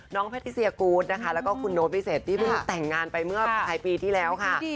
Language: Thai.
แพทิเซียกูธนะคะแล้วก็คุณโน้ตวิเศษที่เพิ่งแต่งงานไปเมื่อปลายปีที่แล้วค่ะ